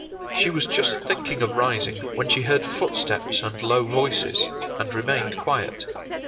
She was just thinking of rising, when she heard footsteps and low voices, and remained quiet.